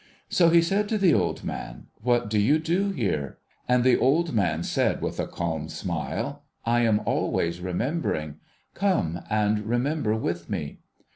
So, he said to the old man, ' What do you do here ?' And the old man said with a calm smile, ' I am always remembering. Come and remember with me